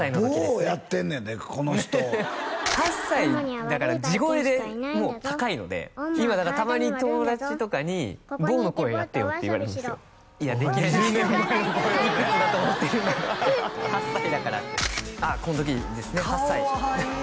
坊をやってんねんでこの人８歳だから地声でもう高いので今だからたまに友達とかに「坊の声やってよ」って言われるんですよいやできないできないいくつだと思ってるんだ８歳だからってあっこの時ですねかわいい！